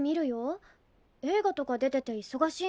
映画とか出てて忙しいんじゃ。